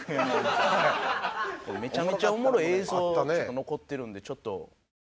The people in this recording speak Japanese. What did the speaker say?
めちゃめちゃおもろい映像残ってるんでちょっと。